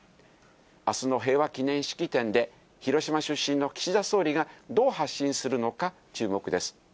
あすの平和記念式典で、広島出身の岸田総理がどう発信するのか注目です。